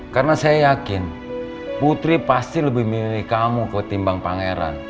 karena saya yakin putri pasti lebih milih kamu ketimbang pangeran